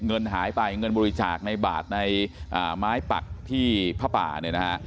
เงินหายไปเงินบริจาคในบาทในไม้ปักที่ผ้าป่าเนี่ยนะฮะ